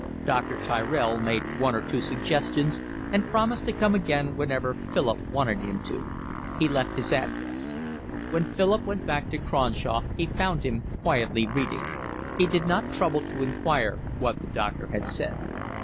Dr. Tyrell made one or two suggestions, and promised to come again whenever Philip wanted him to. He left his address. When Philip went back to Cronshaw he found him quietly reading. He did not trouble to inquire what the doctor had said.